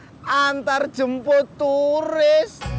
the antarjemput turis hahaha